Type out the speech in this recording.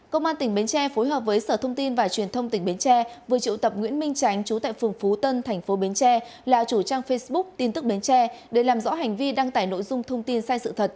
công an tỉnh bến tre phối hợp với sở thông tin và truyền thông tỉnh bến tre vừa triệu tập nguyễn minh tránh trú tại phường phú tân tp bến tre là chủ trang facebook tin tức bến tre để làm rõ hành vi đăng tải nội dung thông tin sai sự thật